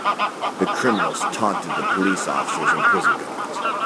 The criminals taunted the police officers and prison guards.